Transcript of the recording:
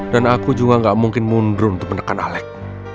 dan aku juga gak mungkin mundur untuk menekan alec